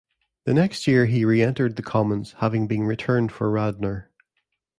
The next year he re-entered the Commons, having been returned for Radnor.